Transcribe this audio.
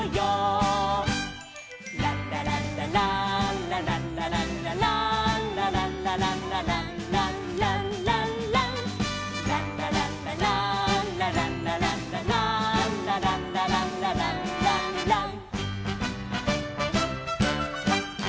「ランラランラランラランラランラランラ」「ランラランラランラランランラン」「ランラランラランラランラランラランラ」「ランラランラランランラン」